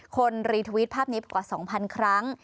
คนรีทวิตภาพนี้กว่า๒๐๐๐ครั้ง